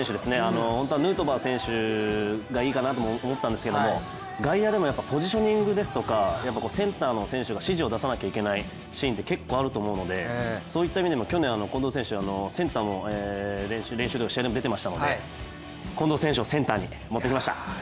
本当はヌートバー選手がいいかなと思ったんですが、外野でもポジショニングですとかセンターの選手が指示を出さなきゃいけないシーンが結構あると思うんでそういった意味でも去年、近藤選手、センターも練習でも試合でも出ていましたので近藤選手をセンターに持ってきました。